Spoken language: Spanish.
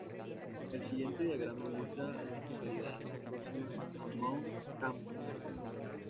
El siguiente diagrama muestra a las localidades más próximas a Mount Crawford.